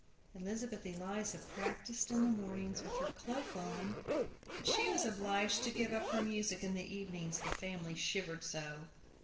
Elizabeth Eliza practiced in the mornings with her cloak on; but she was obliged to give up her music in the evenings the family shivered so.